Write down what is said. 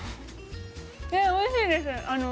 えっ、おいしいです！